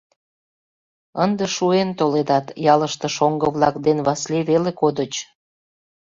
Ынде шуэн толедат, ялыште шоҥго-влак ден Васлий веле кодыч.